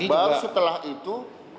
baru setelah itu